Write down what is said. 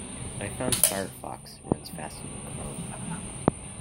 I've found Firefox runs faster than Chrome.